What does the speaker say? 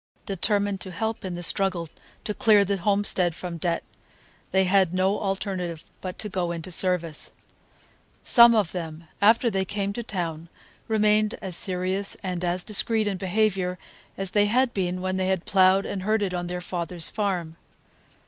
Determined to help in the struggle to clear the homestead from debt, they had no alternative but to go into service. Some of them, after they came to town, remained as serious and as discreet in behavior as they had been when they ploughed and herded on their father's farm.